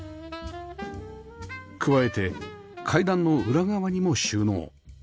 加えて階段の裏側にも収納